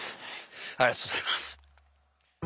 ありがとうございます。